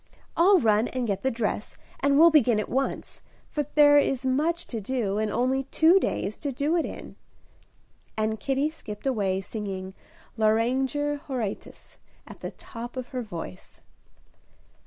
I'll run and get the dress, and we'll begin at once, for there is much to do, and only two days to do it in." And Kitty skipped away, singing "Lauriger Horatius," at the top of her voice.